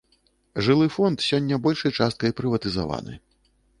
Жылы фонд сёння большай часткай прыватызаваны.